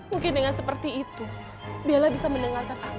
mungkin dengan seperti itu bella bisa mendengarkan aku